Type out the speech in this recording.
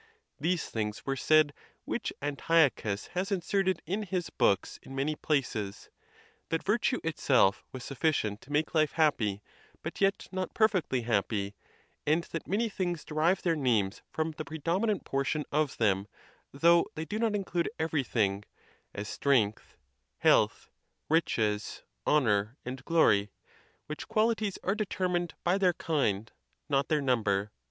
These things were said, which Antiochus has inserted in his books in many places—that virtue itself was sufficient to make life happy, but yet not perfectly happy; and that many things derive their names from the predominant portion of them, though they do not include everything, as strength, health, riches, honor, and glory: which qualities are determined by their kind, not their number.